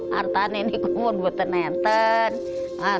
harta saya juga membuatkan harta